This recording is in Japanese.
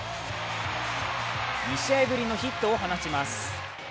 ２試合ぶりのヒットを放ちます。